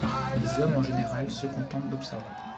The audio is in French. Les hommes en général se contentent d'observer.